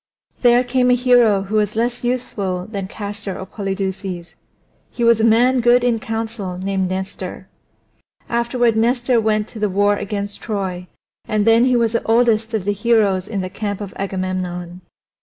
There came a hero who was less youthful than Castor or Polydeuces; he was a man good in council named Nestor. Afterward Nestor went to the war against Troy, and then he was the oldest of the heroes in the camp of Agamemnon.